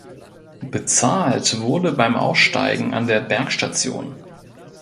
Bezahlt wurde beim Aussteigen an der Bergstation.